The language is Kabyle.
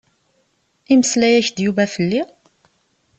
Imeslay-ak-d Yuba fell-i?